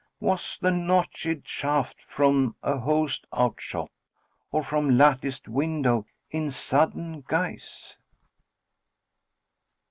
Was the notched shaft[FN#33] from a host outshot, * Or from latticed window in sudden guise?"